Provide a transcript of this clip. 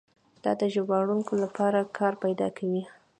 دا د ژباړونکو لپاره کار پیدا کوي.